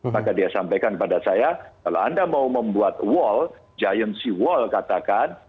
maka dia sampaikan pada saya kalau anda mau membuat wall giant sea wall katakan